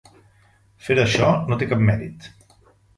Fer això no té cap mèrit.